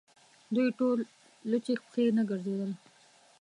دوی ټول لڅې پښې نه ګرځېدل.